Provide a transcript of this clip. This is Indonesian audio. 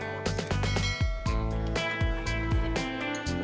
hangat banget ya gew